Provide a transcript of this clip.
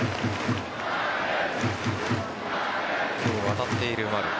今日、当たっている丸。